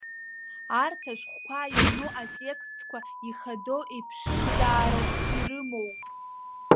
Арҭ ашәҟәқәа ирну атекстқәа ихадоу еиԥшымзаарас ирымоуп.